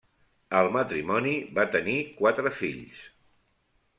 El matrimoni va tenir quatre fills: